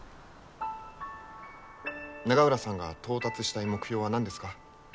永浦さんが到達したい目標は何ですか？